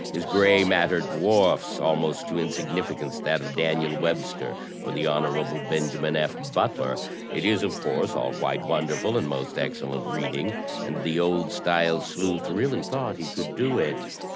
His gray matter dwarfs almost to insig nificance that of Daniel Webster or the Hon. Benjamin F. Butler. It is, of course, all quite wonderful and most excel lent reading, and the old style sleuth really thought he could do it!